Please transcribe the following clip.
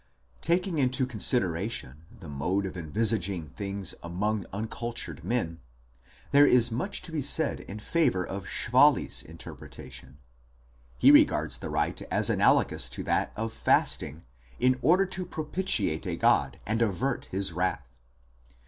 Taking into consideration the mode of envisaging things among uncultured men, there is much to be said in favour of Schwally s interpretation ; he regards the rite as analo gous to that of fasting in order to propitiate a god and avert his wrath.